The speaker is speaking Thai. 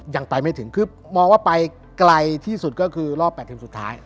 ยังไปไม่ถึงคือมองว่าไปไกลที่สุดก็คือรอบ๘ทีมสุดท้าย